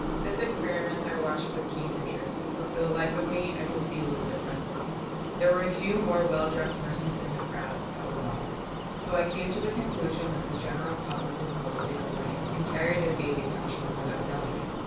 This experiment I watched with keen interest, but for the life of me I could see little difference. There were a few more well dressed persons in the crowds, that was all. So I came to the conclusion that the general public was mostly to blame, and carried their daily punishment without knowing it.